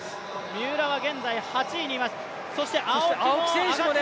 三浦が現在８位にいます。